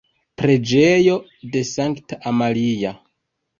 Preĝejo de Sankta Amalia.